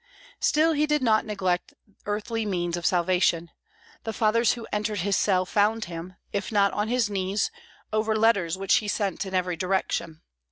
Still he did not neglect earthly means of salvation; the fathers who entered his cell found him, if not on his knees, over letters which he sent in every direction.